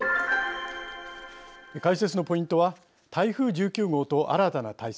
解説のポイントは台風１９号と新たな対策。